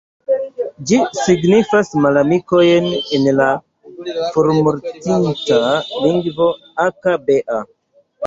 Ĝi signifas "malamikojn" en la formortinta lingvo Aka-Bea.